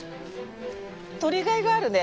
採りがいがあるね。